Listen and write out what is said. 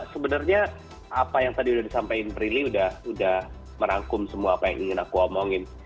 sebenarnya apa yang tadi udah disampaikan prilly udah merangkum semua apa yang ingin aku omongin